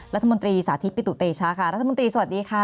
รัฐมนตรีสาธิตปิตุเตชะค่ะรัฐมนตรีสวัสดีค่ะ